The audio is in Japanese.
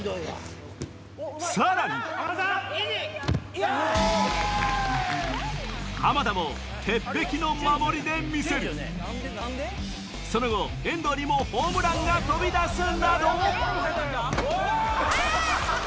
さらに浜田も鉄壁の守りで魅せるその後遠藤にもホームランが飛び出すなどあ！